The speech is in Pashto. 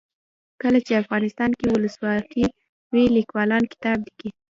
کله چې افغانستان کې ولسواکي وي لیکوالان کتاب لیکي.